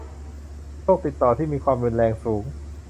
โรคติดต่อที่มีความรุนแรงสูง